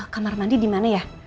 kamar mandi dimana ya